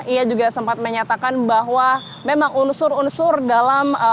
ia juga sempat menyatakan bahwa memang unsur unsur dalam